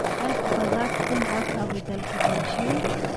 ایا په فضا کې کوم غږ اورېدل کیدی شي؟